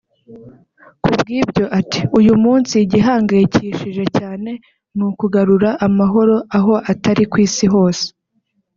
Kubw’ibyo ati “ Uyu munsi igihangayikishije cyane ni ukugarura amahoro aho atari ku Isi yose